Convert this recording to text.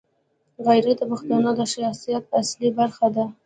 غیرت د پښتون د شخصیت اصلي برخه ده.